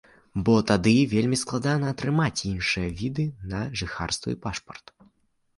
Бо тады вельмі складана атрымаць іншыя віды на жыхарства і пашпарт.